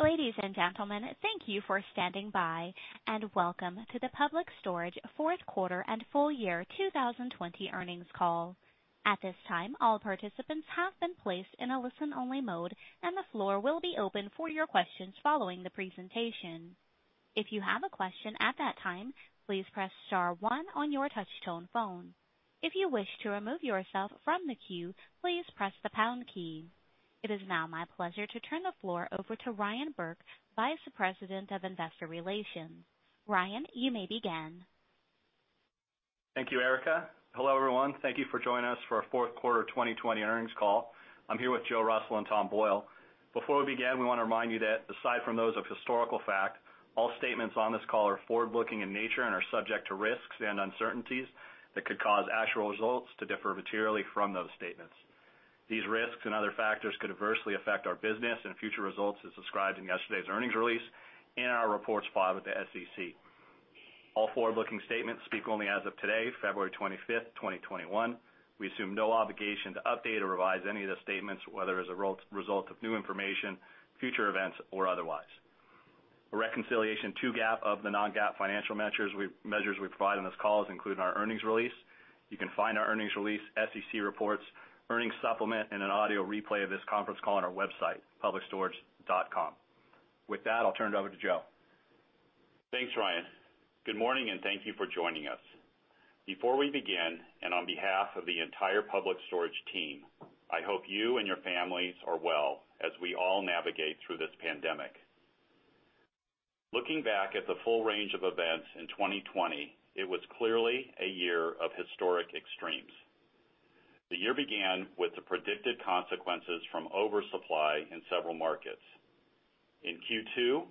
Ladies and gentlemen, thank you for standing by, and welcome to the Public Storage Fourth Quarter and Full Year 2020 Earnings Call. At this time, all participants have been placed in a listen-only mode, and the floor will be open for your questions following the presentation. It is now my pleasure to turn the floor over to Ryan Burke, Vice President of Investor Relations. Ryan, you may begin. Thank you, Erica. Hello, everyone. Thank you for joining us for our fourth quarter 2020 earnings call. I'm here with Joe Russell and Tom Boyle. Before we begin, we want to remind you that aside from those of historical fact, all statements on this call are forward-looking in nature and are subject to risks and uncertainties that could cause actual results to differ materially from those statements. These risks and other factors could adversely affect our business and future results as described in yesterday's earnings release and our reports filed with the SEC. All forward-looking statements speak only as of today, February 25th, 2021. We assume no obligation to update or revise any of the statements, whether as a result of new information, future events, or otherwise. A reconciliation to GAAP of the non-GAAP financial measures we provide on this call is included in our earnings release. You can find our earnings release, SEC reports, earnings supplement, and an audio replay of this conference call on our website, publicstorage.com. With that, I'll turn it over to Joe. Thanks, Ryan. Good morning, and thank you for joining us. Before we begin, and on behalf of the entire Public Storage team, I hope you and your families are well as we all navigate through this pandemic. Looking back at the full range of events in 2020, it was clearly a year of historic extremes. The year began with the predicted consequences from oversupply in several markets. In Q2,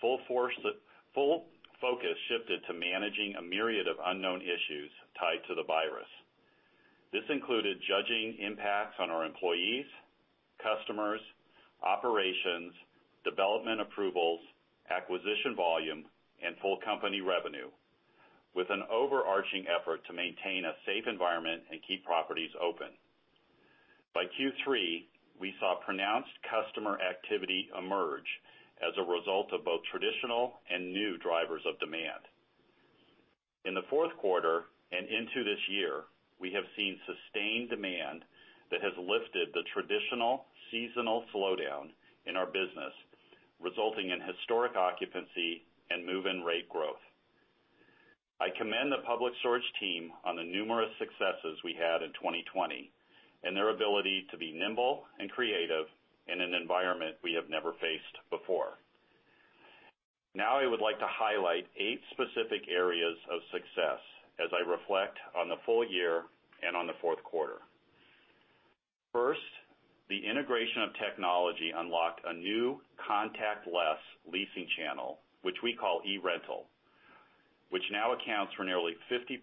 full focus shifted to managing a myriad of unknown issues tied to the virus. This included judging impacts on our employees, customers, operations, development approvals, acquisition volume, and full company revenue, with an overarching effort to maintain a safe environment and keep properties open. By Q3, we saw pronounced customer activity emerge as a result of both traditional and new drivers of demand. In the fourth quarter and into this year, we have seen sustained demand that has lifted the traditional seasonal slowdown in our business, resulting in historic occupancy and move-in rate growth. I commend the Public Storage team on the numerous successes we had in 2020 and their ability to be nimble and creative in an environment we have never faced before. Now, I would like to highlight eight specific areas of success as I reflect on the full year and on the fourth quarter. First, the integration of technology unlocked a new contact-less leasing channel, which we call eRental, which now accounts for nearly 50%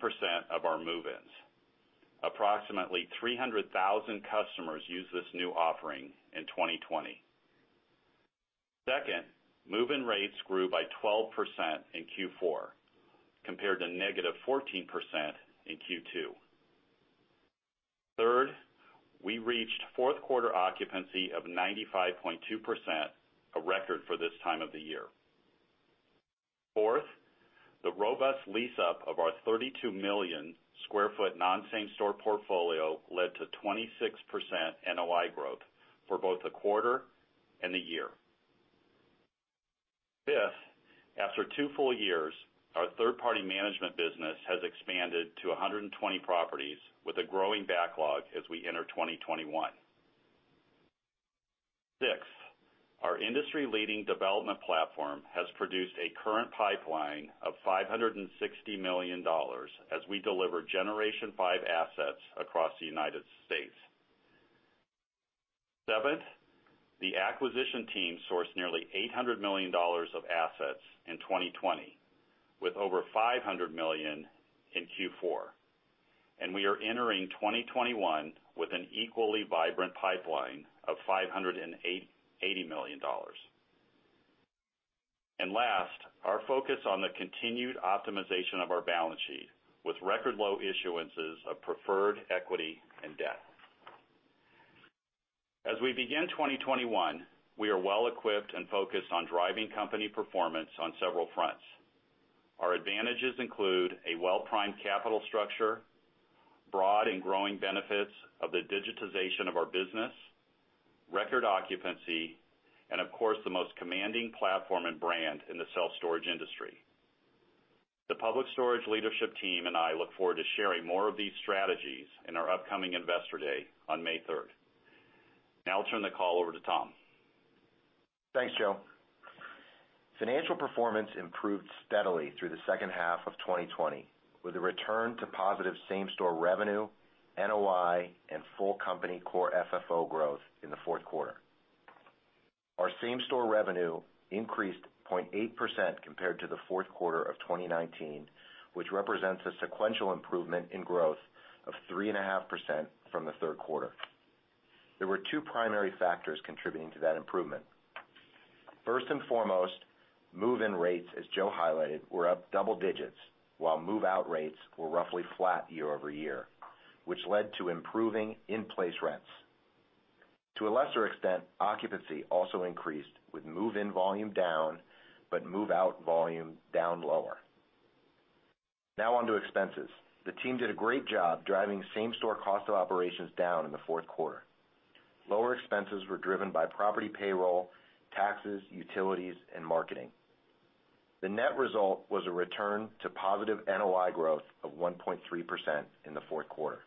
of our move-ins. Approximately 300,000 customers used this new offering in 2020. Second, move-in rates grew by 12% in Q4 compared to -14% in Q2. Third, we reached fourth quarter occupancy of 95.2%, a record for this time of the year. Fourth, the robust lease-up of our 32 million sq ft non-same store portfolio led to 26% NOI growth for both the quarter and the year. Fifth, after two full years, our third-party management business has expanded to 120 properties with a growing backlog as we enter 2021. Sixth, our industry-leading development platform has produced a current pipeline of $560 million as we deliver Generation V assets across the United States. Seventh, the acquisition team sourced nearly $800 million of assets in 2020, with over $500 million in Q4. We are entering 2021 with an equally vibrant pipeline of $580 million. Last, our focus on the continued optimization of our balance sheet with record low issuances of preferred equity and debt. As we begin 2021, we are well equipped and focused on driving company performance on several fronts. Our advantages include a well-primed capital structure, broad and growing benefits of the digitization of our business, record occupancy, and of course, the most commanding platform and brand in the self-storage industry. The Public Storage leadership team and I look forward to sharing more of these strategies in our upcoming Investor Day on May 3rd. Now I'll turn the call over to Tom. Thanks, Joe. Financial performance improved steadily through the second half of 2020, with a return to positive same-store revenue, NOI, and full company core FFO growth in the fourth quarter. Our same-store revenue increased 0.8% compared to the fourth quarter of 2019, which represents a sequential improvement in growth of 3.5% from the third quarter. There were two primary factors contributing to that improvement. First and foremost, move-in rates, as Joe highlighted, were up double digits, while move-out rates were roughly flat year-over-year, which led to improving in-place rents. To a lesser extent, occupancy also increased with move-in volume down, but move-out volume down lower. Now on to expenses. The team did a great job driving same-store cost of operations down in the fourth quarter. Lower expenses were driven by property payroll, taxes, utilities, and marketing. The net result was a return to positive NOI growth of 1.3% in the fourth quarter.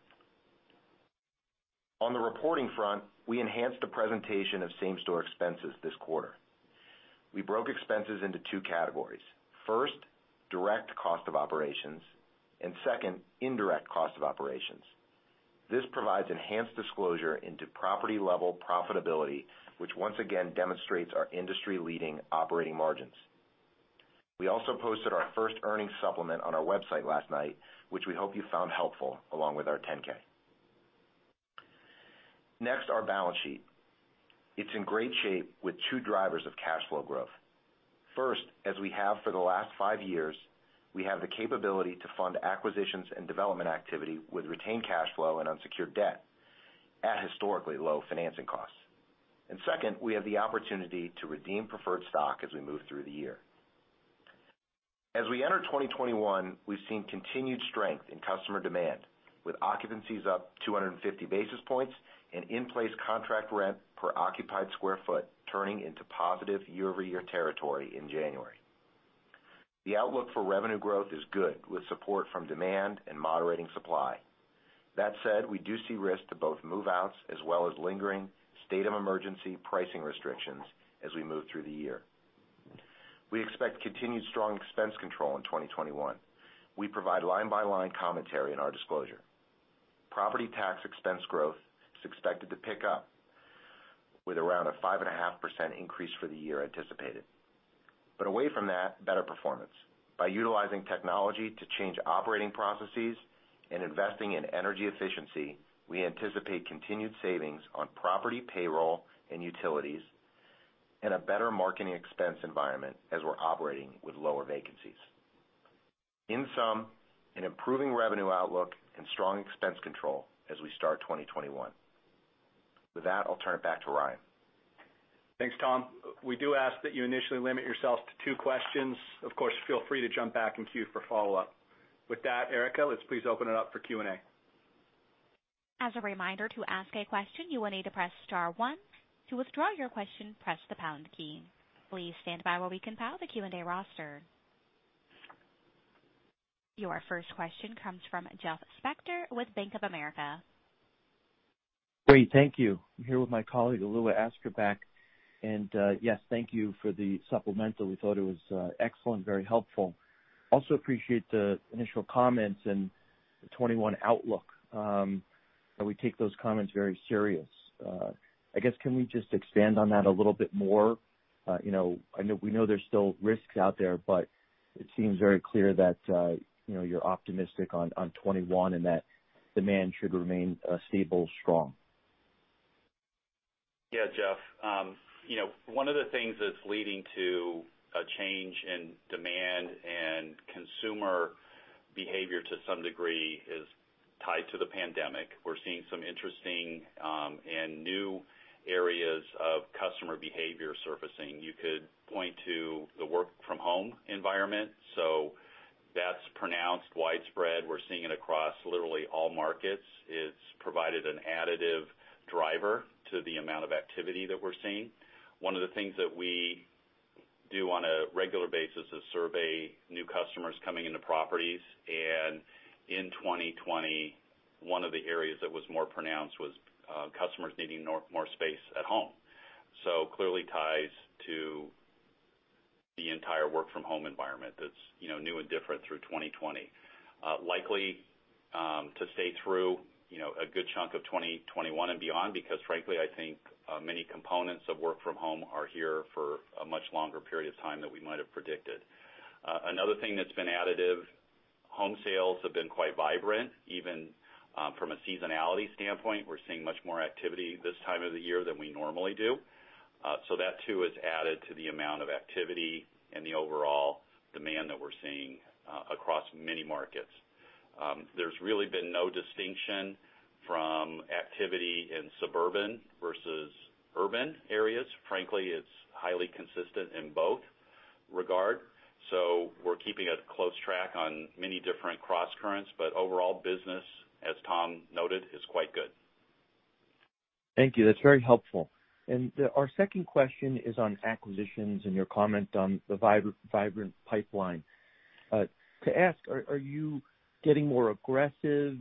On the reporting front, we enhanced the presentation of same-store expenses this quarter. We broke expenses into two categories. First, direct cost of operations, and second, indirect cost of operations. This provides enhanced disclosure into property-level profitability, which once again demonstrates our industry-leading operating margins. We also posted our first earnings supplement on our website last night, which we hope you found helpful, along with our 10-K. Next, our balance sheet. It's in great shape with two drivers of cash flow growth. First, as we have for the last five years, we have the capability to fund acquisitions and development activity with retained cash flow and unsecured debt at historically low financing costs. Second, we have the opportunity to redeem preferred stock as we move through the year. As we enter 2021, we've seen continued strength in customer demand, with occupancies up 250 basis points and in-place contract rent per occupied square foot turning into positive year-over-year territory in January. The outlook for revenue growth is good, with support from demand and moderating supply. That said, we do see risks to both move-outs as well as lingering state of emergency pricing restrictions as we move through the year. We expect continued strong expense control in 2021. We provide line-by-line commentary in our disclosure. Property tax expense growth is expected to pick up with around a 5.5% increase for the year anticipated. Away from that, better performance. By utilizing technology to change operating processes and investing in energy efficiency, we anticipate continued savings on property payroll and utilities, and a better marketing expense environment as we're operating with lower vacancies. In sum, an improving revenue outlook and strong expense control as we start 2021. With that, I'll turn it back to Ryan. Thanks, Tom. We do ask that you initially limit yourselves to two questions. Of course, feel free to jump back in queue for follow-up. With that, Erica, let's please open it up for Q&A. As a reminder, to ask a question, you will need to press star one. To withdraw your question, press the pound key. Please stand by while we compile the Q&A roster. Your first question comes from Jeff Spector with Bank of America. Great. Thank you. I'm here with my colleague, Alua Askarbek. Yes, thank you for the supplemental. We thought it was excellent, very helpful. Also appreciate the initial comments and the 2021 outlook. We take those comments very serious. I guess, can we just expand on that a little bit more? We know there's still risks out there, but it seems very clear that you're optimistic on 2021, and that demand should remain stable, strong. Yeah, Jeff. One of the things that's leading to a change in demand and consumer behavior to some degree is tied to the pandemic. We're seeing some interesting and new areas of customer behavior surfacing. You could point to the work from home environment. That's pronounced widespread. We're seeing it across literally all markets. It's provided an additive driver to the amount of activity that we're seeing. One of the things that we do on a regular basis is survey new customers coming into properties. In 2020, one of the areas that was more pronounced was customers needing more space at home. Clearly ties to the entire work from home environment that's new and different through 2020. Likely to stay through a good chunk of 2021 and beyond because frankly, I think many components of work from home are here for a much longer period of time than we might have predicted. Another thing that's been additive, home sales have been quite vibrant. Even from a seasonality standpoint, we're seeing much more activity this time of the year than we normally do. That too has added to the amount of activity and the overall demand that we're seeing across many markets. There's really been no distinction from activity in suburban versus urban areas. Frankly, it's highly consistent in both regard. We're keeping a close track on many different crosscurrents, but overall business, as Tom noted, is quite good. Thank you. That's very helpful. Our second question is on acquisitions and your comment on the vibrant pipeline. To ask, are you getting more aggressive?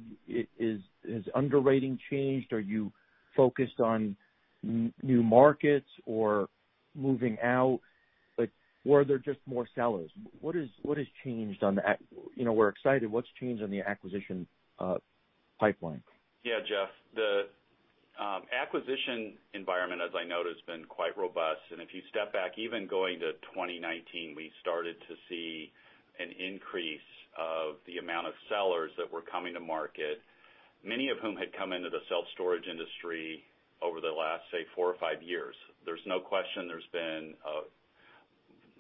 Has underwriting changed? Are you focused on new markets or moving out, or are there just more sellers? We're excited. What's changed on the acquisition pipeline? Yeah, Jeff. The acquisition environment, as I noted, has been quite robust. If you step back, even going to 2019, we started to see an increase of the amount of sellers that were coming to market. Many of whom had come into the self-storage industry over the last, say, four or five years. There's no question there's been a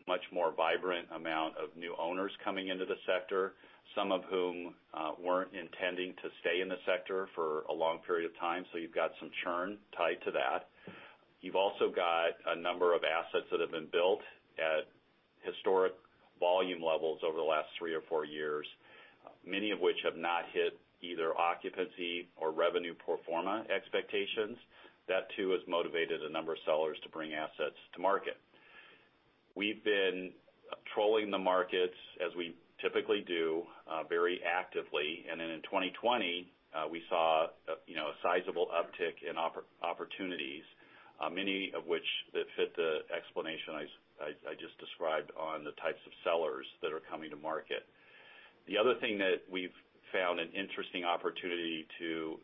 much more vibrant amount of new owners coming into the sector, some of whom weren't intending to stay in the sector for a long period of time. You've got some churn tied to that. You've also got a number of assets that have been built at historic volume levels over the last three or four years, many of which have not hit either occupancy or revenue pro forma expectations. That too has motivated a number of sellers to bring assets to market. We've been trolling the markets, as we typically do, very actively. In 2020, we saw a sizable uptick in opportunities, many of which that fit the explanation I just described on the types of sellers that are coming to market. The other thing that we've found an interesting opportunity to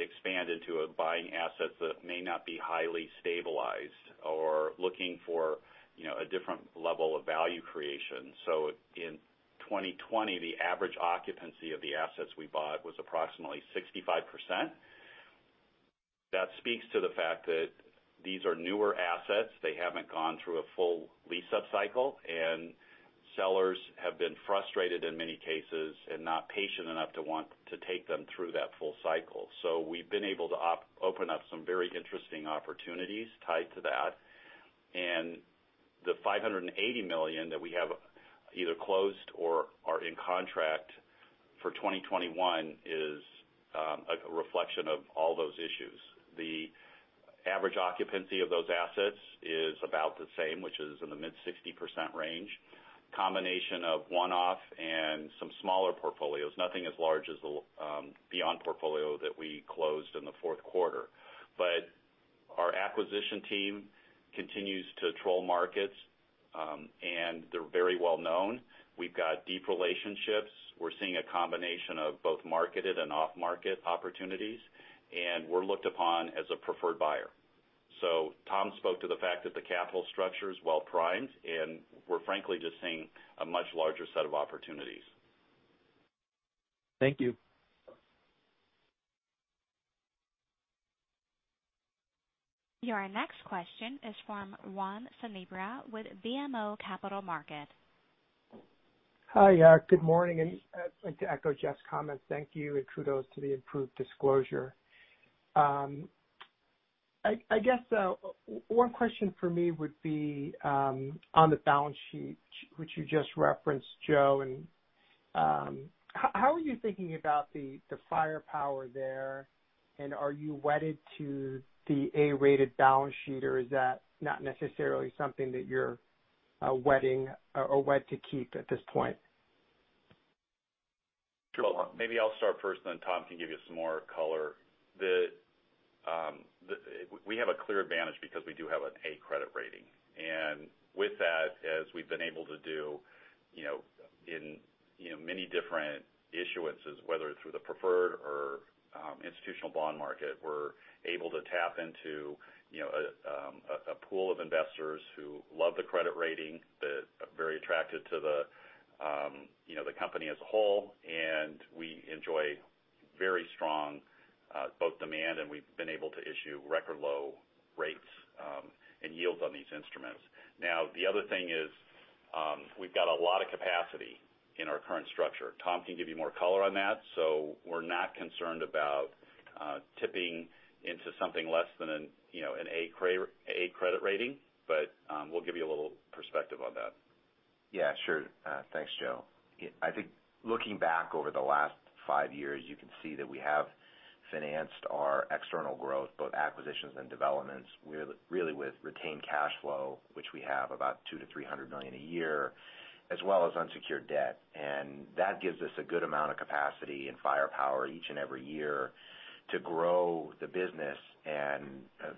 expand into are buying assets that may not be highly stabilized or looking for a different level of value creation. In 2020, the average occupancy of the assets we bought was approximately 65%. That speaks to the fact that these are newer assets. They haven't gone through a full lease-up cycle, and sellers have been frustrated in many cases and not patient enough to want to take them through that full cycle. We've been able to open up some very interesting opportunities tied to that. The $580 million that we have either closed or are in contract for 2021 is a reflection of all those issues. The average occupancy of those assets is about the same, which is in the mid-60% range, a combination of one-off and some smaller portfolios, nothing as large as the Beyond portfolio that we closed in the fourth quarter. Our acquisition team continues to troll markets, and they're very well known. We've got deep relationships. We're seeing a combination of both marketed and off-market opportunities, and we're looked upon as a preferred buyer. Tom spoke to the fact that the capital structure is well-primed, and we're frankly just seeing a much larger set of opportunities. Thank you. Your next question is from Juan Sanabria with BMO Capital Markets. Hi. Good morning. I'd like to echo Jeff's comments. Thank you. Kudos to the improved disclosure. I guess one question for me would be on the balance sheet, which you just referenced, Joe. How are you thinking about the firepower there, and are you wedded to the A-rated balance sheet, or is that not necessarily something that you're wed to keep at this point? Sure. Maybe I'll start first then Tom can give you some more color. We have a clear advantage because we do have an A credit rating. With that, as we've been able to do in many different issuances, whether through the preferred or institutional bond market, we're able to tap into a pool of investors who love the credit rating, that are very attracted to the company as a whole, and we enjoy very strong both demand, and we've been able to issue record low rates and yields on these instruments. Now, the other thing is we've got a lot of capacity in our current structure. Tom can give you more color on that. We're not concerned about tipping into something less than an A credit rating, but we'll give you a little perspective on that. Yeah, sure. Thanks, Joe. I think looking back over the last five years, you can see that we have financed our external growth, both acquisitions and developments, really with retained cash flow, which we have about $200 million-$300 million a year, as well as unsecured debt. That gives us a good amount of capacity and firepower each and every year to grow the business and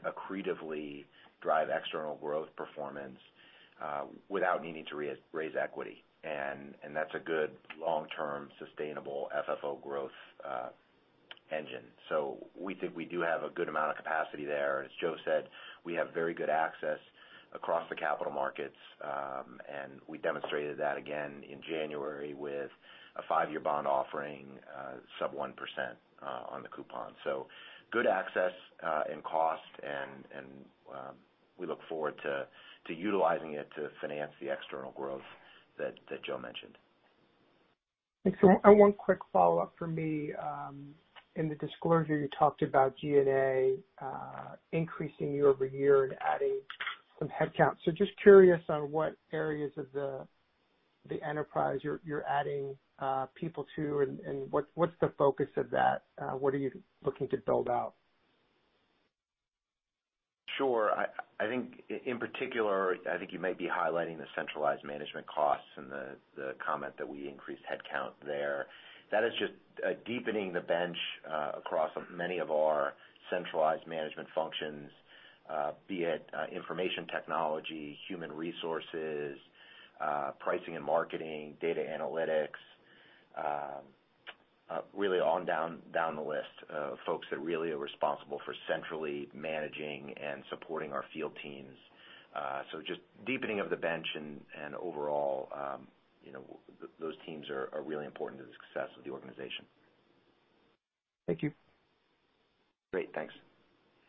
accretively drive external growth performance without needing to raise equity. That's a good long-term, sustainable FFO growth engine. We think we do have a good amount of capacity there. As Joe said, we have very good access across the capital markets. We demonstrated that again in January with a five-year bond offering, sub 1% on the coupon. Good access in cost, and we look forward to utilizing it to finance the external growth that Joe mentioned. Thanks. One quick follow-up from me. In the disclosure, you talked about G&A increasing year-over-year and adding some headcount. Just curious on what areas of the enterprise you're adding people to and what's the focus of that? What are you looking to build out? Sure. In particular, I think you may be highlighting the centralized management costs and the comment that we increased headcount there. That is just deepening the bench across many of our centralized management functions, be it information technology, human resources, pricing and marketing, data analytics, really on down the list, folks that really are responsible for centrally managing and supporting our field teams. Just deepening of the bench and overall, those teams are really important to the success of the organization. Thank you. Great. Thanks.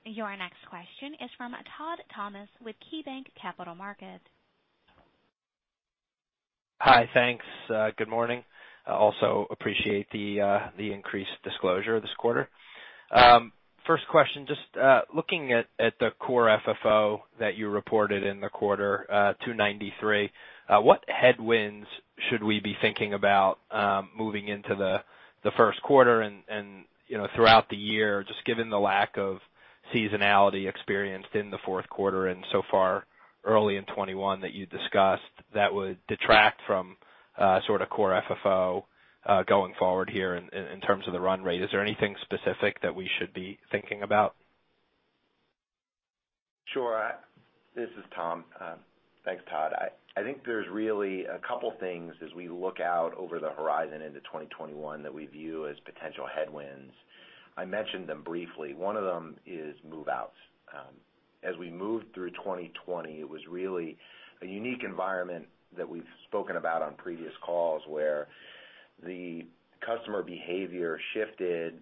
Your next question is from Todd Thomas with KeyBanc Capital Markets. Hi. Thanks. Good morning. Also appreciate the increased disclosure this quarter. First question, just looking at the core FFO that you reported in the quarter, $2.93. What headwinds should we be thinking about moving into the first quarter and throughout the year, just given the lack of seasonality experienced in the fourth quarter and so far early in 2021 that you discussed that would detract from sort of core FFO, going forward here in terms of the run rate? Is there anything specific that we should be thinking about? Sure. This is Tom. Thanks, Todd. I think there's really a couple things as we look out over the horizon into 2021 that we view as potential headwinds. I mentioned them briefly. One of them is move-outs. As we moved through 2020, it was really a unique environment that we've spoken about on previous calls, where the customer behavior shifted,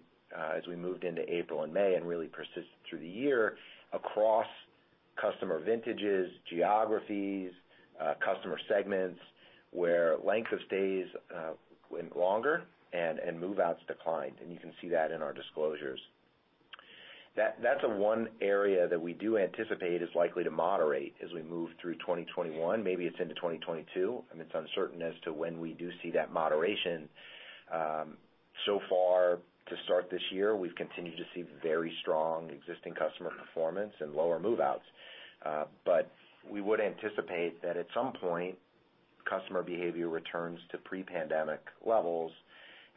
as we moved into April and May, really persisted through the year, across customer vintages, geographies, customer segments, where length of stays went longer and move-outs declined. You can see that in our disclosures. That's the one area that we do anticipate is likely to moderate as we move through 2021, maybe it's into 2022. It's uncertain as to when we do see that moderation. So far to start this year, we've continued to see very strong existing customer performance and lower move-outs. We would anticipate that at some point, customer behavior returns to pre-pandemic levels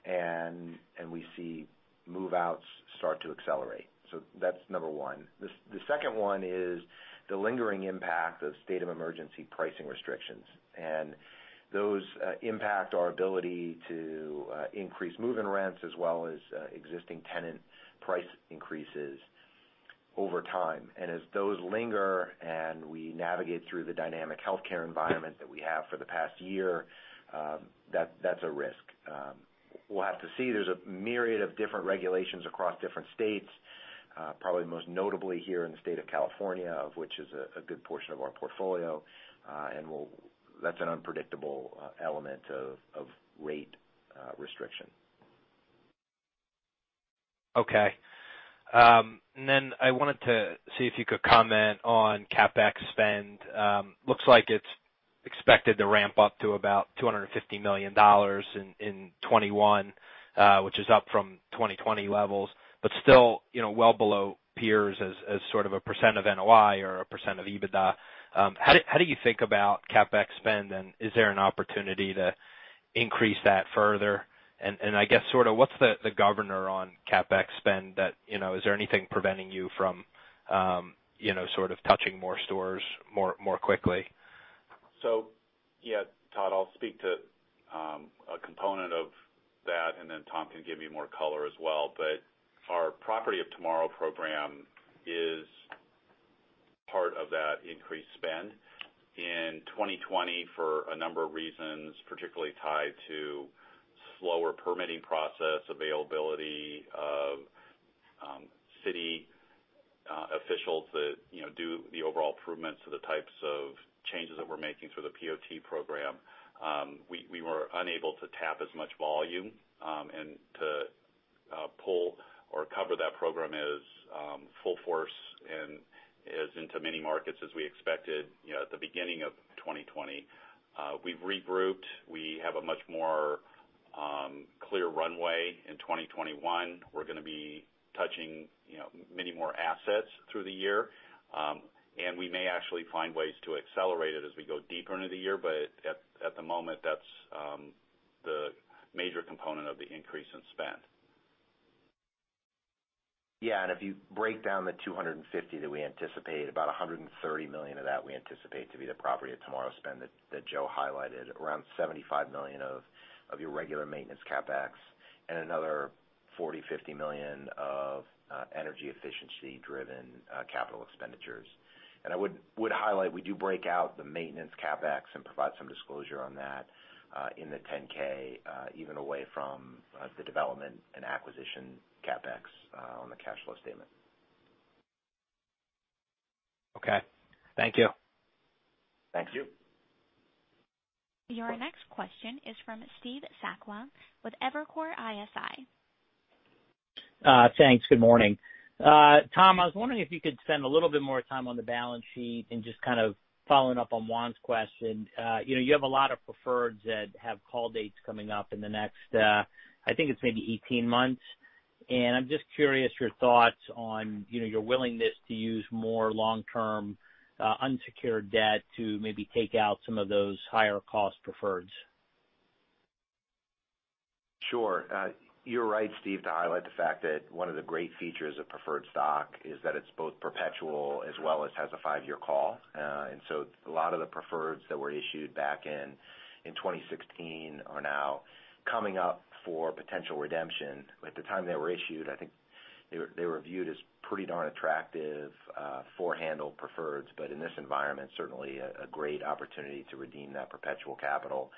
and we see move-outs start to accelerate. That's number one. The second one is the lingering impact of state of emergency pricing restrictions. Those impact our ability to increase move-in rents as well as existing tenant price increases over time. As those linger and we navigate through the dynamic healthcare environment that we have for the past year, that's a risk. We'll have to see. There's a myriad of different regulations across different states, probably most notably here in the state of California, of which is a good portion of our portfolio. That's an unpredictable element of rate restriction. Okay. Then I wanted to see if you could comment on CapEx spend. Looks like it's expected to ramp up to about $250 million in 2021, which is up from 2020 levels, but still well below peers as sort of a percent of NOI or a percent of EBITDA. How do you think about CapEx spend, and is there an opportunity to increase that further? I guess sort of, what's the governor on CapEx spend, is there anything preventing you from sort of touching more stores more quickly? Yeah, Todd, I'll speak to a component of that, and then Tom can give you more color as well. Our Property of Tomorrow program is part of that increased spend. In 2020 for a number of reasons, particularly tied to slower permitting process availability of city officials that do the overall improvements to the types of changes that we're making through the PoT program. We were unable to tap as much volume, and to pull or cover that program as full force and as into many markets as we expected at the beginning of 2020. We've regrouped. We have a much more clear runway in 2021. We're going to be touching many more assets through the year. We may actually find ways to accelerate it as we go deeper into the year. At the moment, that's the major component of the increase in spend. If you break down the $250 million that we anticipate, about $130 million of that we anticipate to be the Property of Tomorrow spend that Joe highlighted. Around $75 million of your regular maintenance CapEx and another $40 million, $50 million of energy efficiency driven capital expenditures. I would highlight, we do break out the maintenance CapEx and provide some disclosure on that in the 10-K, even away from the development and acquisition CapEx on the cash flow statement. Okay. Thank you. Thank you. Thank you. Your next question is from Steve Sakwa with Evercore ISI. Thanks. Good morning. Tom, I was wondering if you could spend a little bit more time on the balance sheet and just kind of following up on Juan's question. You have a lot of preferreds that have call dates coming up in the next, I think it's maybe 18 months. I'm just curious your thoughts on your willingness to use more long-term, unsecured debt to maybe take out some of those higher cost preferreds. Sure. You're right, Steve, to highlight the fact that one of the great features of preferred stock is that it's both perpetual as well as has a five-year call. A lot of the preferreds that were issued back in 2016 are now coming up for potential redemption. At the time they were issued, I think they were viewed as pretty darn attractive four-handle preferreds, but in this environment, certainly a great opportunity to redeem that perpetual capital.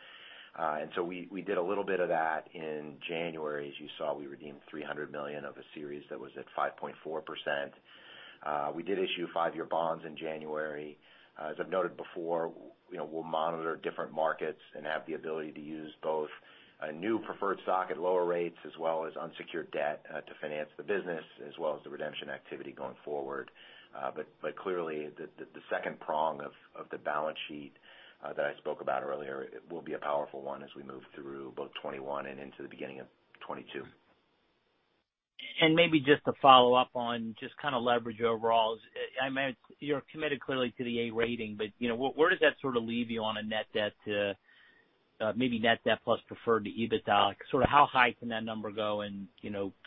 We did a little bit of that in January. As you saw, we redeemed $300 million of a series that was at 5.4%. We did issue five-year bonds in January. As I've noted before, we'll monitor different markets and have the ability to use both a new preferred stock at lower rates as well as unsecured debt to finance the business as well as the redemption activity going forward. Clearly, the second prong of the balance sheet that I spoke about earlier will be a powerful one as we move through both 2021 and into the beginning of 2022. Maybe just to follow up on just kind of leverage overall. You're committed clearly to the A rating, but where does that sort of leave you on a net debt to maybe net debt plus preferred to EBITDA? Sort of how high can that number go and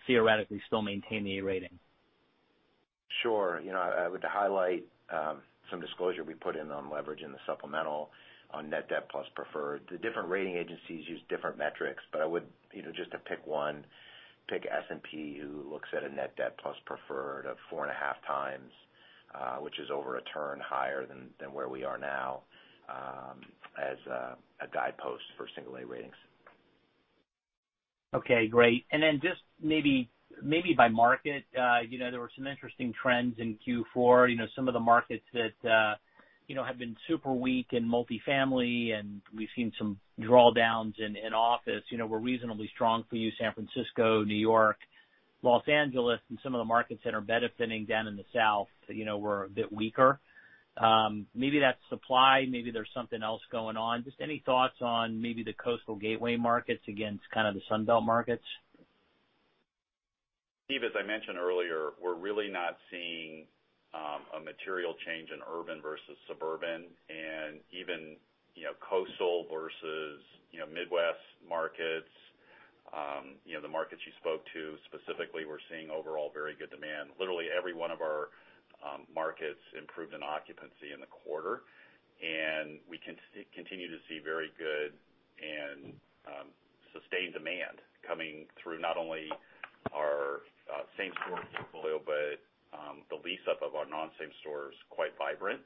theoretically still maintain the A rating? Sure. I would highlight some disclosure we put in on leverage in the supplemental on net debt plus preferred. The different rating agencies use different metrics, but I would, just to pick one, pick S&P, who looks at a net debt plus preferred of 4.5x, which is over a turn higher than where we are now, as a guidepost for single A ratings. Okay, great. Just maybe by market, there were some interesting trends in Q4. Some of the markets that have been super weak in multifamily, and we've seen some drawdowns in office. Were reasonably strong for you, San Francisco, New York, Los Angeles, and some of the markets that are benefiting down in the South were a bit weaker. Maybe that's supply, maybe there's something else going on. Just any thoughts on maybe the coastal gateway markets against kind of the Sun Belt markets? Steve, as I mentioned earlier, we're really not seeing a material change in urban versus suburban and even coastal versus Midwest markets. The markets you spoke to specifically, we're seeing overall very good demand. Literally every one of our markets improved in occupancy in the quarter, and we continue to see very good and sustained demand coming through not only our same-store portfolio, but the lease-up of our non-same-store is quite vibrant.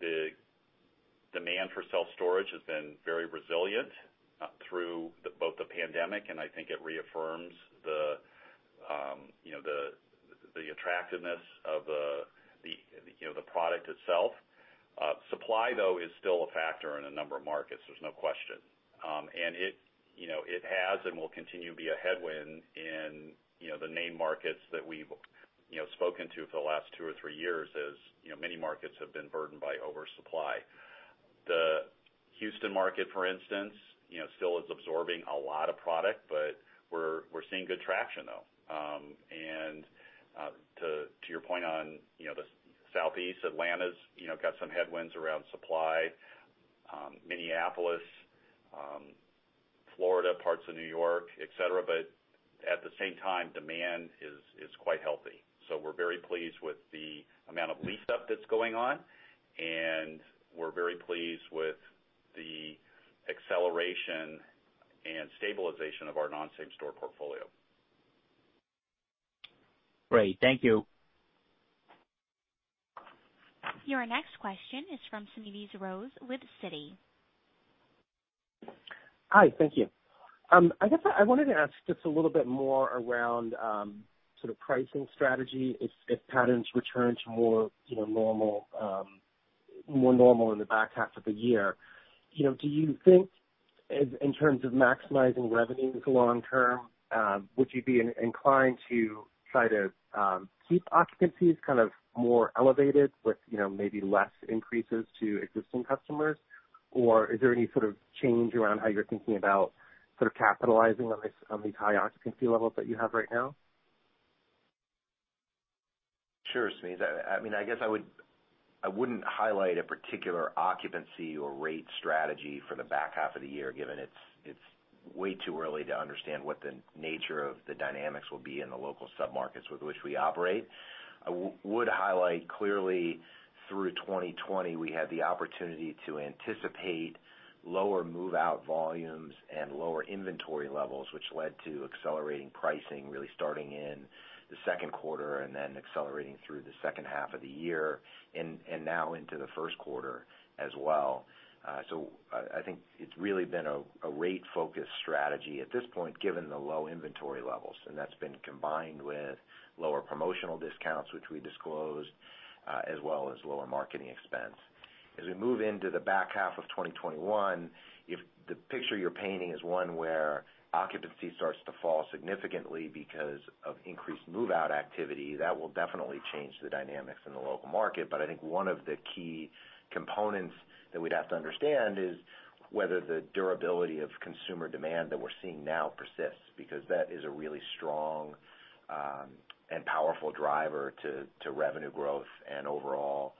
The demand for self-storage has been very resilient through both the pandemic, and I think it reaffirms the attractiveness of the product itself. Supply, though, is still a factor in a number of markets. There's no question. It has and will continue to be a headwind in the name markets that we've spoken to for the last two or three years, as many markets have been burdened by oversupply. The Houston market, for instance, still is absorbing a lot of product, but we're seeing good traction, though. To your point on the Southeast, Atlanta's got some headwinds around supply. Minneapolis, Florida, parts of New York, et cetera, but at the same time, demand is quite healthy. We're very pleased with the amount of lease-up that's going on, and we're very pleased with the acceleration and stabilization of our non-same-store portfolio. Great. Thank you. Your next question is from Smedes Rose with Citi. Hi. Thank you. I guess I wanted to ask just a little bit more around sort of pricing strategy if patterns return to more normal in the back half of the year. Do you think in terms of maximizing revenues long term, would you be inclined to try to keep occupancies kind of more elevated with maybe less increases to existing customers? Is there any sort of change around how you're thinking about sort of capitalizing on these high occupancy levels that you have right now? Sure, Smedes. I guess I wouldn't highlight a particular occupancy or rate strategy for the back half of the year, given it's way too early to understand what the nature of the dynamics will be in the local sub-markets with which we operate. I would highlight clearly through 2020, we had the opportunity to anticipate lower move-out volumes and lower inventory levels, which led to accelerating pricing, really starting in the second quarter and then accelerating through the second half of the year and now into the first quarter as well. I think it's really been a rate-focused strategy at this point, given the low inventory levels, and that's been combined with lower promotional discounts, which we disclosed, as well as lower marketing expense. As we move into the back half of 2021, if the picture you're painting is one where occupancy starts to fall significantly because of increased move-out activity, that will definitely change the dynamics in the local market. I think one of the key components that we'd have to understand is whether the durability of consumer demand that we're seeing now persists, because that is a really strong and powerful driver to revenue growth and overall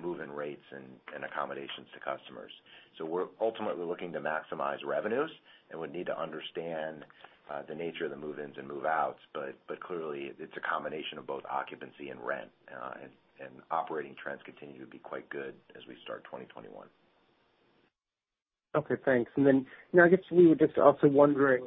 move-in rates and accommodations to customers. We're ultimately looking to maximize revenues and would need to understand the nature of the move-ins and move-outs. Clearly, it's a combination of both occupancy and rent, and operating trends continue to be quite good as we start 2021. Okay, thanks. I guess we were just also wondering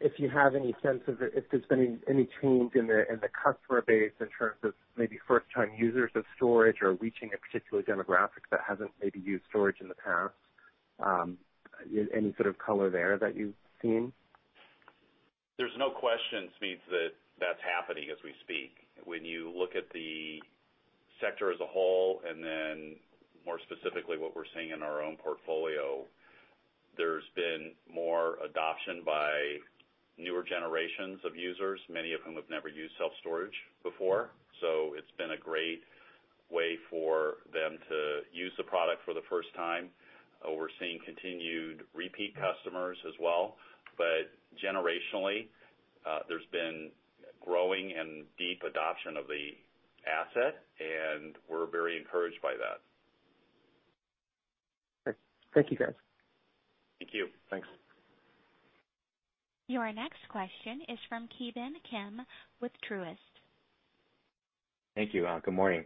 if you have any sense of if there's been any change in the customer base in terms of maybe first-time users of storage or reaching a particular demographic that hasn't maybe used storage in the past. Any sort of color there that you've seen? There's no question, Smedes, that that's happening as we speak. When you look at the sector as a whole, and then more specifically, what we're seeing in our own portfolio, there's been more adoption by newer generations of users, many of whom have never used self-storage before. It's been a great way for them to use the product for the first time. We're seeing continued repeat customers as well, generationally, there's been growing and deep adoption of the asset, and we're very encouraged by that. Great. Thank you, guys. Thank you. Thanks. Your next question is from Ki Bin Kim with Truist. Thank you. Good morning.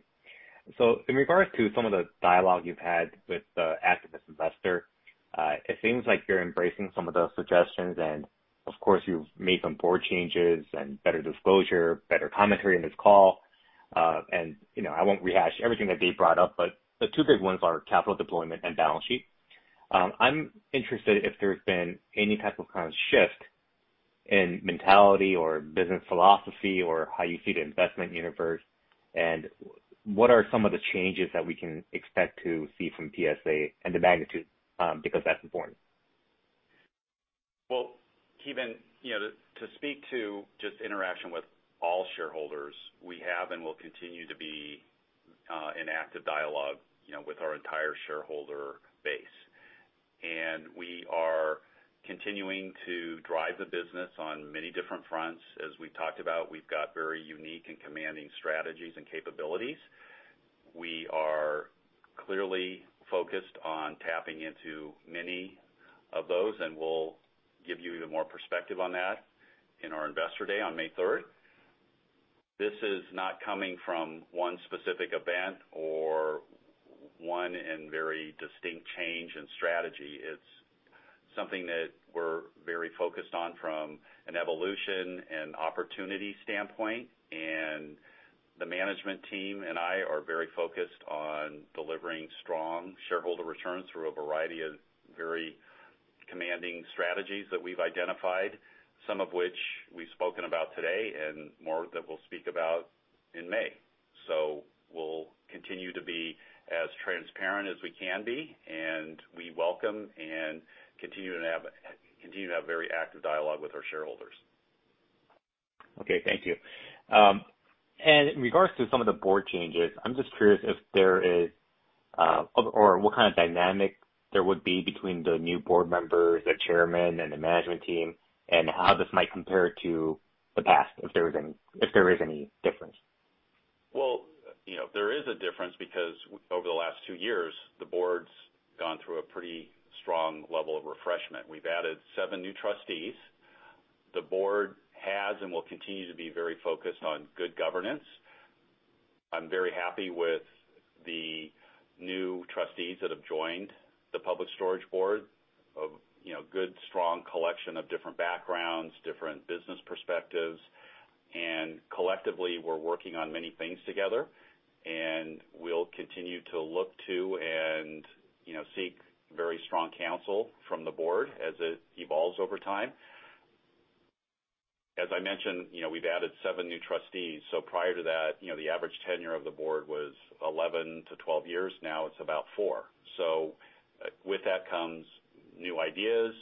In regards to some of the dialogue you've had with the activist investor, it seems like you're embracing some of those suggestions and, of course, you've made some board changes and better disclosure, better commentary on this call. I won't rehash everything that they brought up. The two big ones are capital deployment and balance sheet. I'm interested if there's been any type of kind of shift in mentality or business philosophy or how you see the investment universe, and what are some of the changes that we can expect to see from PSA and the magnitude, because that's important. Well, Ki Bin, to speak to just interaction with all shareholders, we have and will continue to be in active dialogue with our entire shareholder base. We are continuing to drive the business on many different fronts. As we talked about, we've got very unique and commanding strategies and capabilities. We are clearly focused on tapping into many of those, and we'll give you even more perspective on that in our investor day on May 3rd. This is not coming from one specific event or one and very distinct change in strategy. It's something that we're very focused on from an evolution and opportunity standpoint, and the management team and I are very focused on delivering strong shareholder returns through a variety of very commanding strategies that we've identified, some of which we've spoken about today and more that we'll speak about in May. We'll continue to be as transparent as we can be, and we welcome and continue to have very active dialogue with our shareholders. Okay, thank you. In regards to some of the board changes, I'm just curious if there is or what kind of dynamic there would be between the new board members, the chairman, and the management team, and how this might compare to the past, if there is any difference. Well, there is a difference because over the last two years, the board's gone through a pretty strong level of refreshment. We've added seven new trustees. The board has and will continue to be very focused on good governance. I'm very happy with the new trustees that have joined the Public Storage board of good, strong collection of different backgrounds, different business perspectives. Collectively, we're working on many things together, and we'll continue to look to and seek very strong counsel from the board as it evolves over time. As I mentioned, we've added seven new trustees. Prior to that, the average tenure of the board was 11 years-12 years. Now it's about four. With that comes new ideas,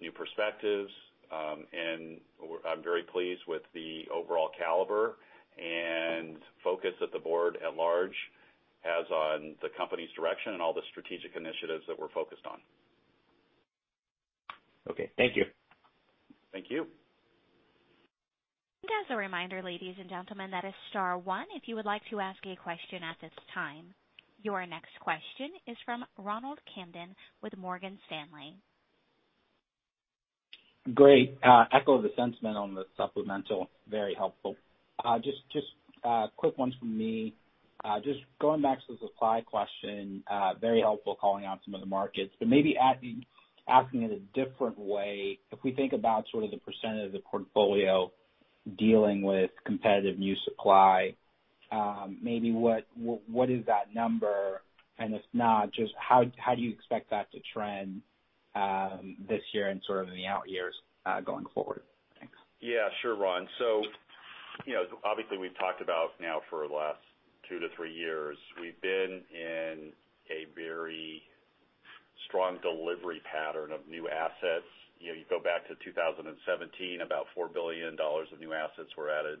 new perspectives, and I'm very pleased with the overall caliber and focus that the board at large has on the company's direction and all the strategic initiatives that we're focused on. Okay. Thank you. Thank you. As a reminder, ladies and gentlemen, that is star one if you would like to ask a question at this time. Your next question is from Ronald Kamdem with Morgan Stanley. Great. Echo the sentiment on the supplemental. Very helpful. Just quick ones from me. Just going back to the supply question, very helpful calling out some of the markets, but maybe asking it a different way. If we think about sort of the percentage of the portfolio dealing with competitive new supply, maybe what is that number? If not, just how do you expect that to trend this year and sort of in the out years going forward? Thanks. Yeah, sure, Ron. Obviously, we've talked about now for the last two to three years, we've been in a very strong delivery pattern of new assets. You go back to 2017, about $4 billion of new assets were added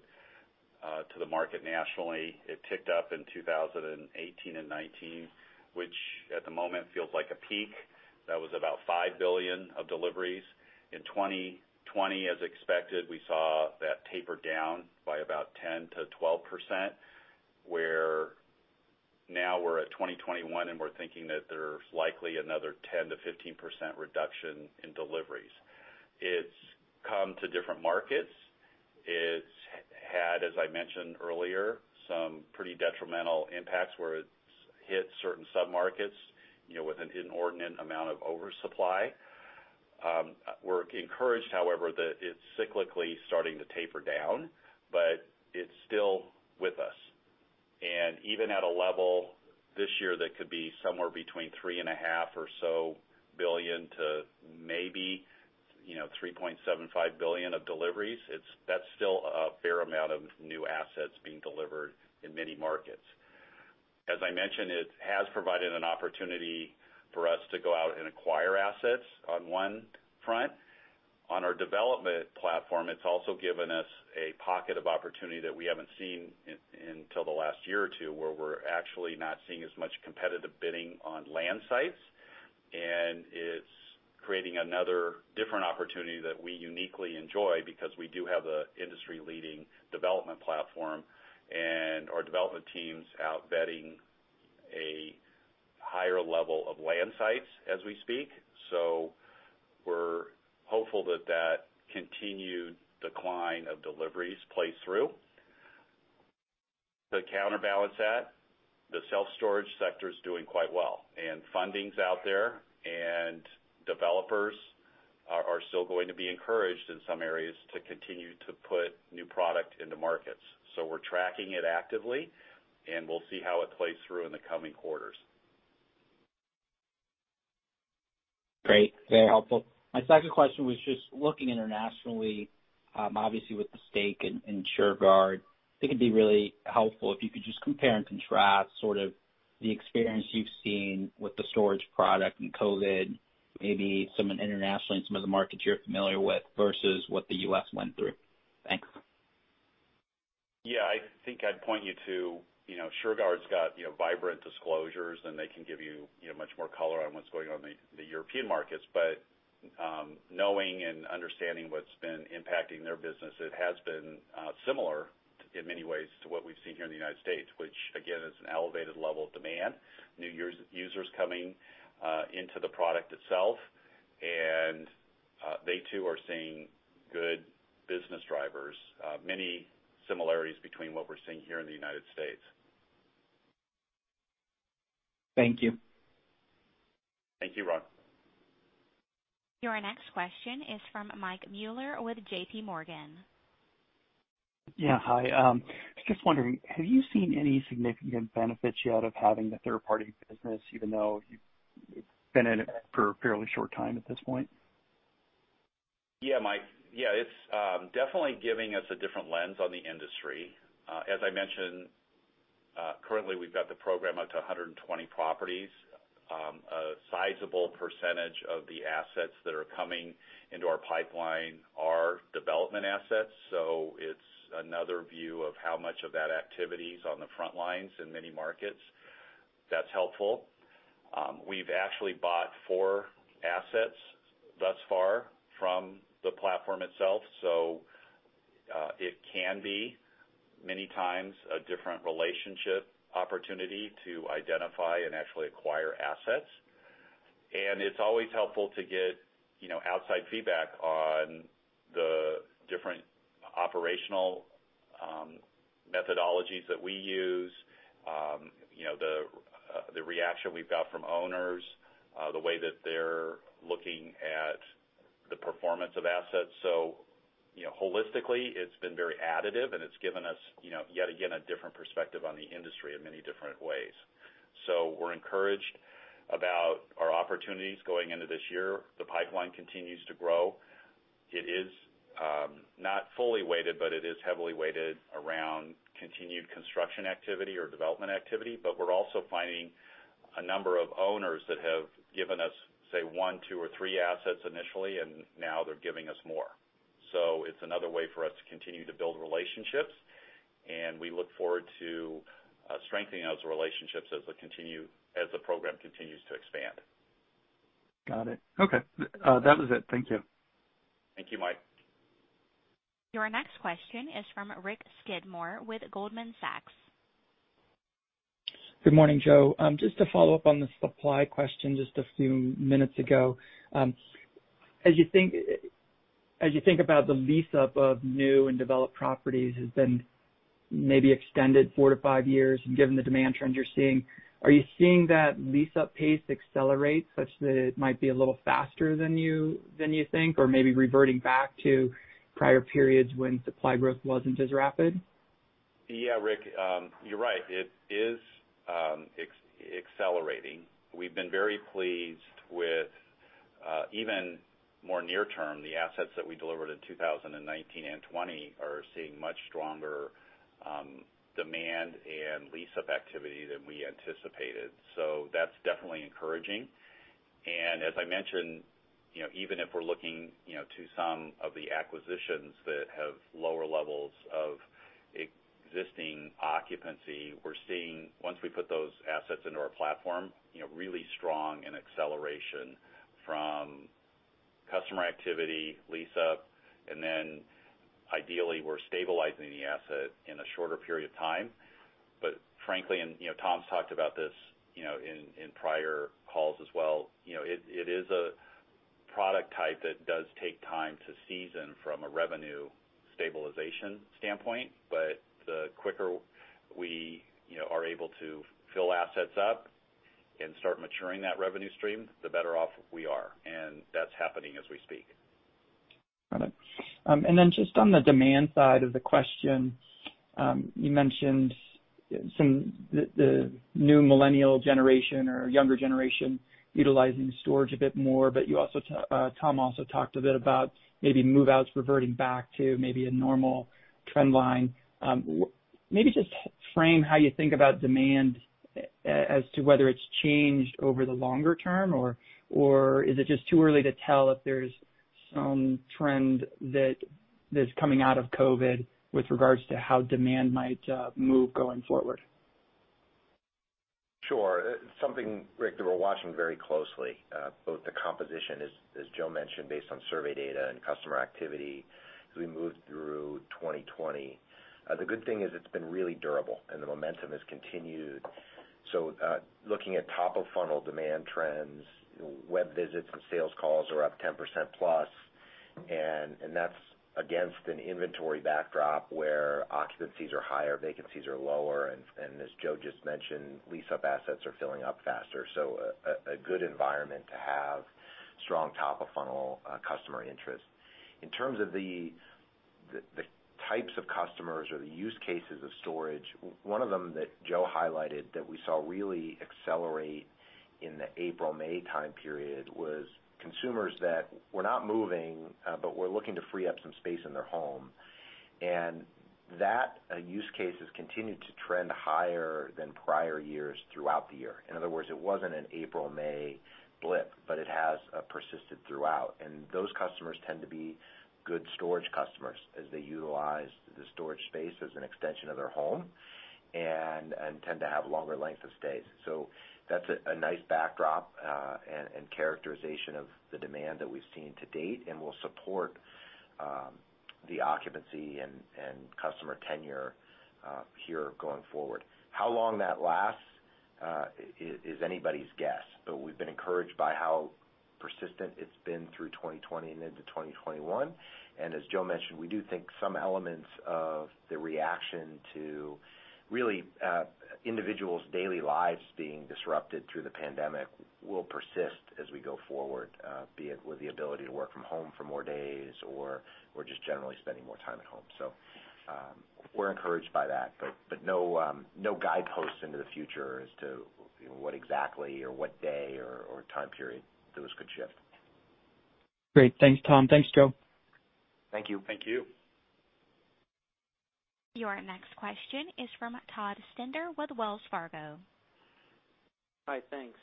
to the market nationally. It ticked up in 2018 and 2019, which at the moment feels like a peak. That was about $5 billion of deliveries. In 2020, as expected, we saw that taper down by about 10%-12%. Now we're at 2021, we're thinking that there's likely another 10%-15% reduction in deliveries. It's come to different markets. It's had, as I mentioned earlier, some pretty detrimental impacts where it's hit certain submarkets with an inordinate amount of oversupply. We're encouraged, however, that it's cyclically starting to taper down, but it's still with us, and even at a level this year that could be somewhere between $3.5 billion or so to maybe $3.75 billion of deliveries, that's still a fair amount of new assets being delivered in many markets. As I mentioned, it has provided an opportunity for us to go out and acquire assets on one front. On our development platform, it's also given us a pocket of opportunity that we haven't seen until the last year or two, where we're actually not seeing as much competitive bidding on land sites, and it's creating another different opportunity that we uniquely enjoy because we do have an industry-leading development platform, and our development team's out vetting a higher level of land sites as we speak. We're hopeful that continued decline of deliveries plays through. To counterbalance that, the self-storage sector is doing quite well. Funding's out there, and developers are still going to be encouraged in some areas to continue to put new product into markets. We're tracking it actively, and we'll see how it plays through in the coming quarters. Great. Very helpful. My second question was just looking internationally, obviously with the stake in Shurgard, it could be really helpful if you could just compare and contrast sort of the experience you've seen with the storage product in COVID, maybe some in international and some of the markets you're familiar with versus what the U.S. went through. Thanks. Yeah. I think I'd point you to Shurgard's got vibrant disclosures, and they can give you much more color on what's going on in the European markets. Knowing and understanding what's been impacting their business, it has been similar in many ways to what we've seen here in the United States, which again, is an elevated level of demand. New users coming into the product itself, and they too are seeing good business drivers. Many similarities between what we're seeing here in the United States. Thank you. Thank you, Ron. Your next question is from Mike Mueller with JPMorgan. Yeah. Hi. Just wondering, have you seen any significant benefits yet of having the third-party business, even though you've been in it for a fairly short time at this point? Yeah, Mike. Yeah. It's definitely giving us a different lens on the industry. As I mentioned, currently we've got the program up to 120 properties. A sizable percentage of the assets that are coming into our pipeline are development assets, so it's another view of how much of that activity is on the front lines in many markets. That's helpful. We've actually bought four assets thus far from the platform itself, so it can be many times a different relationship opportunity to identify and actually acquire assets. It's always helpful to get outside feedback on the different operational methodologies that we use, the reaction we've got from owners, the way that they're looking at the performance of assets. Holistically, it's been very additive, and it's given us, yet again, a different perspective on the industry in many different ways. We're encouraged about our opportunities going into this year. The pipeline continues to grow. It is not fully weighted, but it is heavily weighted around continued construction activity or development activity. We're also finding a number of owners that have given us, say, one, two, or three assets initially, and now they're giving us more. It's another way for us to continue to build relationships, and we look forward to strengthening those relationships as the program continues to expand. Got it. Okay. That was it. Thank you. Thank you, Mike. Your next question is from Rick Skidmore with Goldman Sachs. Good morning, Joe. Just to follow up on the supply question just a few minutes ago. As you think about the lease-up of new and developed properties has been maybe extended four to five years, and given the demand trends you're seeing, are you seeing that lease-up pace accelerate such that it might be a little faster than you think, or maybe reverting back to prior periods when supply growth wasn't as rapid? Yeah, Rick, you're right. It is accelerating. We've been very pleased with even more near term, the assets that we delivered in 2019 and 2020 are seeing much stronger demand and lease-up activity than we anticipated. That's definitely encouraging. As I mentioned, even if we're looking to some of the acquisitions that have lower levels of existing occupancy, Once we put those assets into our platform, really strong in acceleration from customer activity lease-up, and then ideally we're stabilizing the asset in a shorter period of time. Frankly, and Tom's talked about this in prior calls as well, it is a product type that does take time to season from a revenue stabilization standpoint. The quicker we are able to fill assets up and start maturing that revenue stream, the better off we are. That's happening as we speak. Got it. Just on the demand side of the question, you mentioned the new millennial generation or younger generation utilizing storage a bit more, but Tom also talked a bit about maybe move-outs reverting back to maybe a normal trend line. Maybe just frame how you think about demand as to whether it's changed over the longer term, or is it just too early to tell if there's some trend that's coming out of COVID with regards to how demand might move going forward? Sure. Something, Rick, that we're watching very closely, both the composition, as Joe mentioned, based on survey data and customer activity as we moved through 2020. The good thing is it's been really durable, and the momentum has continued. Looking at top-of-funnel demand trends, web visits and sales calls are up 10%+, and that's against an inventory backdrop where occupancies are higher, vacancies are lower, and as Joe just mentioned, lease-up assets are filling up faster. A good environment to have strong top-of-funnel customer interest. In terms of the types of customers or the use cases of storage, one of them that Joe highlighted that we saw really accelerate in the April-May time period was consumers that were not moving, but were looking to free up some space in their home. That use case has continued to trend higher than prior years throughout the year. In other words, it wasn't an April-May blip, but it has persisted throughout. Those customers tend to be good storage customers as they utilize the storage space as an extension of their home and tend to have longer length of stays. That's a nice backdrop and characterization of the demand that we've seen to date and will support the occupancy and customer tenure here going forward. How long that lasts is anybody's guess, we've been encouraged by how persistent it's been through 2020 and into 2021. As Joe mentioned, we do think some elements of the reaction to really individuals' daily lives being disrupted through the pandemic will persist as we go forward, be it with the ability to work from home for more days or just generally spending more time at home. We're encouraged by that, but no guideposts into the future as to what exactly or what day or time period those could shift. Great. Thanks, Tom. Thanks, Joe. Thank you. Thank you. Your next question is from Todd Stender with Wells Fargo. Hi, thanks.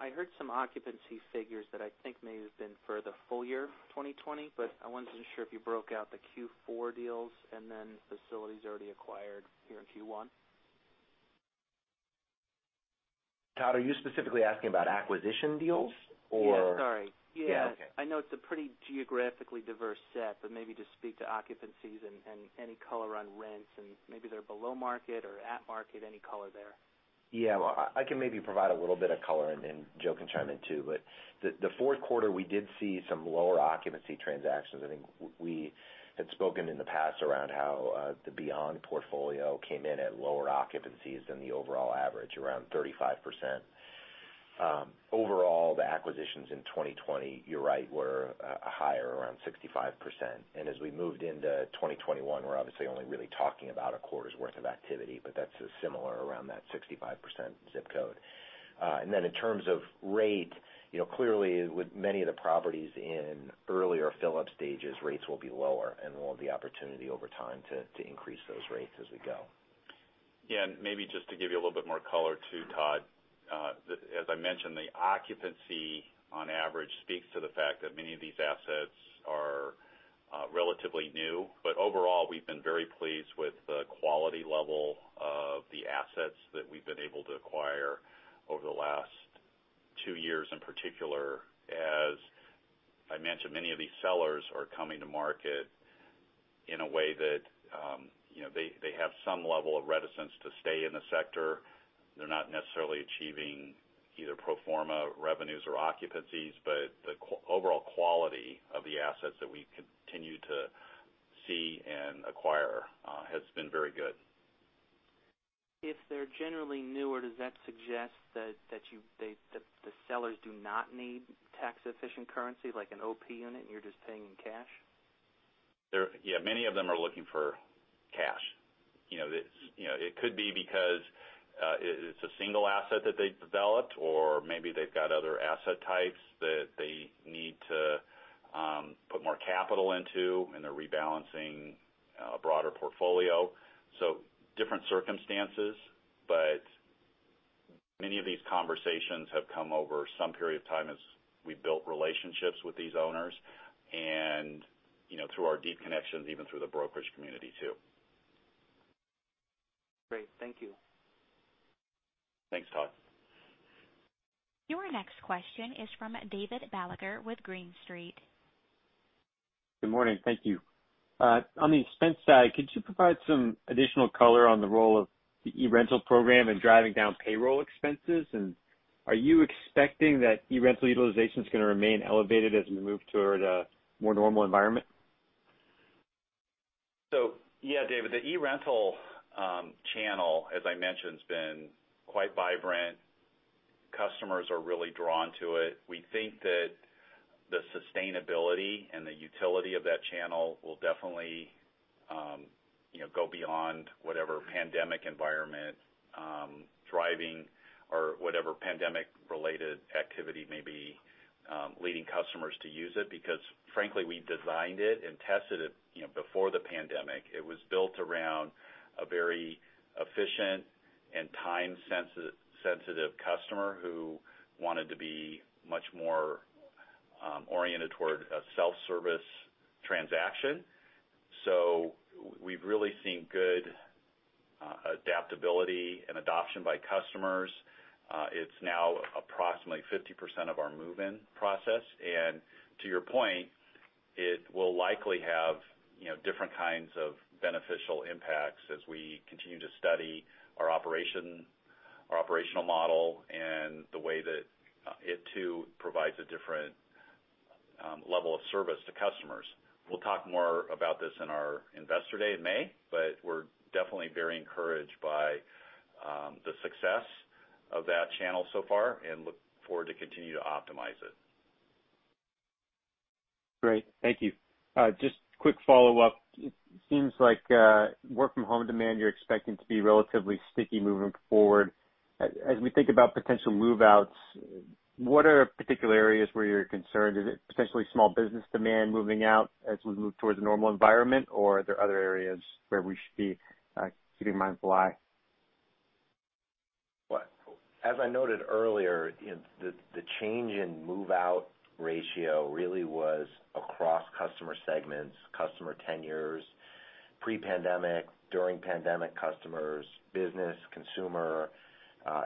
I heard some occupancy figures that I think may have been for the full year 2020, but I wasn't sure if you broke out the Q4 deals and then facilities already acquired here in Q1. Todd, are you specifically asking about acquisition deals or- Yeah, sorry. Yeah, okay. I know it's a pretty geographically diverse set, but maybe just speak to occupancies and any color on rents and maybe they're below market or at market, any color there? Yeah. Well, I can maybe provide a little bit of color and Joe can chime in, too. The fourth quarter, we did see some lower occupancy transactions. I think we had spoken in the past around how the Beyond portfolio came in at lower occupancies than the overall average, around 35%. Overall, the acquisitions in 2020, you're right, were higher, around 65%. As we moved into 2021, we're obviously only really talking about a quarter's worth of activity, but that's similar around that 65% ZIP code. Then in terms of rate, clearly with many of the properties in earlier fill-up stages, rates will be lower and we'll have the opportunity over time to increase those rates as we go. Yeah, maybe just to give you a little bit more color, too, Todd. As I mentioned, the occupancy on average speaks to the fact that many of these assets are relatively new. Overall, we've been very pleased with the quality level of the assets that we've been able to acquire over the last two years in particular. As I mentioned, many of these sellers are coming to market in a way that they have some level of reticence to stay in the sector. They're not necessarily achieving either pro forma revenues or occupancies, but the overall quality of the assets that we continue to see and acquire has been very good. If they're generally newer, does that suggest that the sellers do not need tax-efficient currency like an OP unit, and you're just paying in cash? Yeah, many of them are looking for cash. It could be because it's a single asset that they developed, or maybe they've got other asset types that they need to put more capital into, and they're rebalancing a broader portfolio. Different circumstances. Many of these conversations have come over some period of time as we built relationships with these owners and through our deep connections, even through the brokerage community too. Great. Thank you. Thanks, Todd. Your next question is from David Balaguer with Green Street. Good morning. Thank you. On the expense side, could you provide some additional color on the role of the eRental program in driving down payroll expenses? Are you expecting that eRental utilization's going to remain elevated as we move toward a more normal environment? Yeah, David, the eRental channel, as I mentioned, has been quite vibrant. Customers are really drawn to it. We think that the sustainability and the utility of that channel will definitely go beyond whatever pandemic environment, driving or whatever pandemic-related activity may be leading customers to use it. Frankly, we designed it and tested it before the pandemic. It was built around a very efficient and time-sensitive customer who wanted to be much more oriented toward a self-service transaction. We've really seen good adaptability and adoption by customers. It's now approximately 50% of our move-in process. To your point, it will likely have different kinds of beneficial impacts as we continue to study our operational model and the way that it too provides a different level of service to customers. We'll talk more about this in our Investor Day in May, but we're definitely very encouraged by the success of that channel so far and look forward to continue to optimize it. Great. Thank you. Just quick follow-up. It seems like work from home demand, you're expecting to be relatively sticky moving forward. As we think about potential move-outs, what are particular areas where you're concerned? Is it potentially small business demand moving out as we move towards a normal environment, or are there other areas where we should be keeping a mindful eye? As I noted earlier, the change in move-out ratio really was across customer segments, customer tenures, pre-pandemic, during pandemic customers, business, consumer,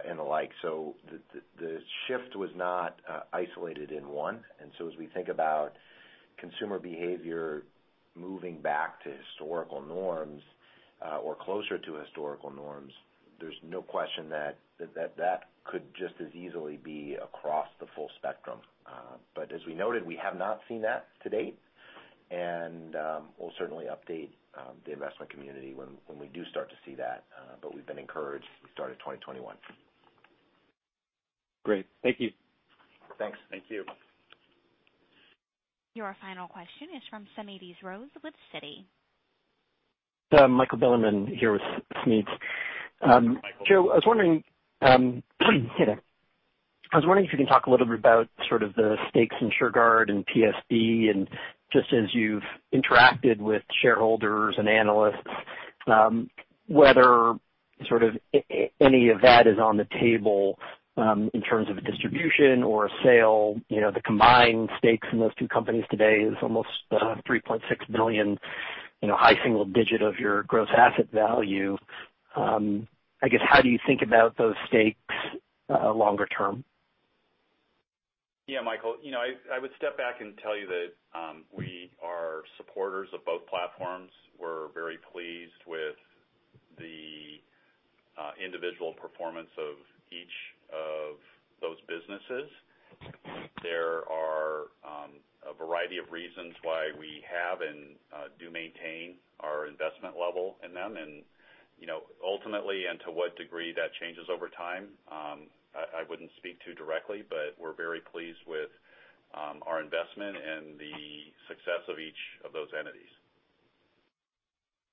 and the like. The shift was not isolated in one. As we think about consumer behavior moving back to historical norms, or closer to historical norms, there's no question that that could just as easily be across the full spectrum. As we noted, we have not seen that to date. We'll certainly update the investment community when we do start to see that. We've been encouraged the start of 2021. Great. Thank you. Thanks. Thank you. Your final question is from Smedes Rose with Citi. Michael Bilerman here with Smedes. Hi, Michael. Joe, I was wondering if you can talk a little bit about sort of the stakes in Shurgard and PSB, and just as you've interacted with shareholders and analysts, whether sort of any of that is on the table in terms of a distribution or a sale. The combined stakes in those two companies today is almost $3.6 billion, high single digit of your gross asset value. I guess, how do you think about those stakes longer term? Michael. I would step back and tell you that we are supporters of both platforms. We're very pleased with the individual performance of each of those businesses. There are a variety of reasons why we have and do maintain our investment level in them and ultimately, and to what degree that changes over time, I wouldn't speak to directly, but we're very pleased with our investment and the success of each of those entities.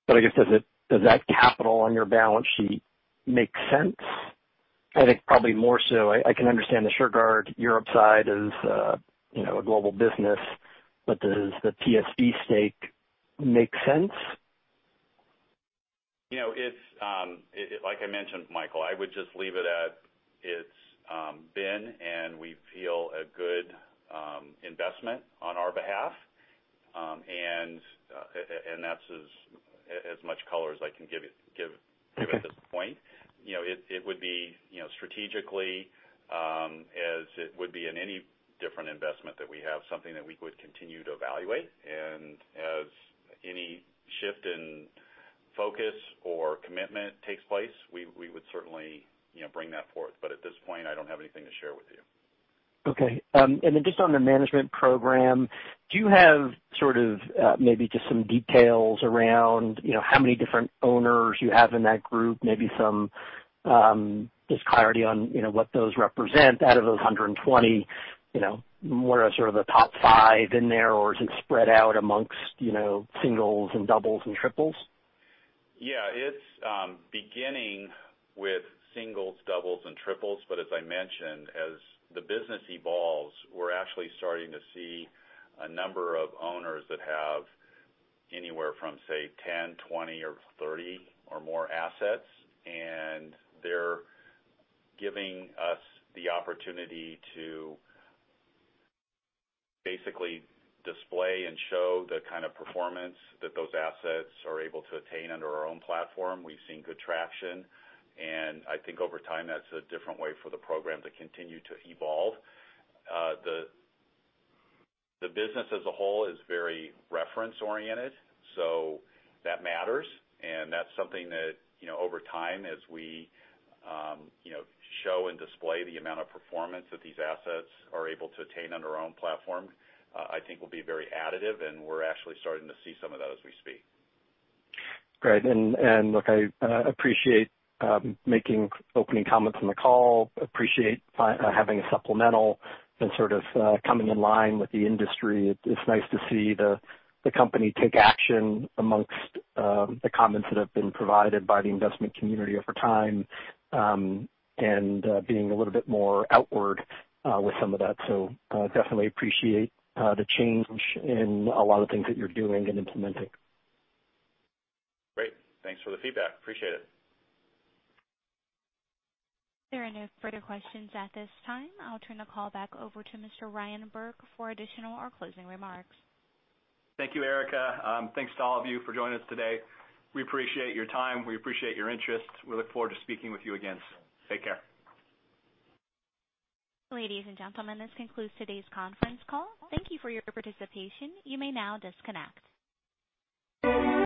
I guess, does that capital on your balance sheet make sense? I think probably more so, I can understand the Shurgard Europe side as a global business. Does the PSB stake make sense? Like I mentioned, Michael, I would just leave it at it's been, and we feel a good investment on our behalf. That's as much color as I can give at this point. It would be strategically, as it would be in any different investment that we have, something that we would continue to evaluate. As any shift in focus or commitment takes place, we would certainly bring that forth. At this point, I don't have anything to share with you. Okay. Just on the management program, do you have sort of maybe just some details around how many different owners you have in that group, maybe some just clarity on what those represent out of those 120, more of sort of the top five in there, or is it spread out amongst singles and doubles and triples? Yeah. It's beginning with singles, doubles, and triples. As I mentioned, as the business evolves, we're actually starting to see a number of owners that have anywhere from, say, 10, 20, or 30 or more assets, and they're giving us the opportunity to basically display and show the kind of performance that those assets are able to attain under our own platform. We've seen good traction, and I think over time, that's a different way for the program to continue to evolve. The business as a whole is very reference-oriented, so that matters, and that's something that over time, as we show and display the amount of performance that these assets are able to attain under our own platform, I think will be very additive, and we're actually starting to see some of that as we speak. Great. Look, I appreciate making opening comments on the call, appreciate having a supplemental and sort of coming in line with the industry. It's nice to see the company take action amongst the comments that have been provided by the investment community over time, and being a little bit more outward with some of that. Definitely appreciate the change in a lot of things that you're doing and implementing. Great. Thanks for the feedback. Appreciate it. There are no further questions at this time. I'll turn the call back over to Mr. Ryan Burke for additional or closing remarks. Thank you, Erica. Thanks to all of you for joining us today. We appreciate your time. We appreciate your interest. We look forward to speaking with you again soon. Take care. Ladies and gentlemen, this concludes today's conference call. Thank you for your participation. You may now disconnect.